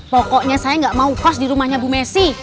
pokoknya saya gak mau kos di rumahnya ibu messi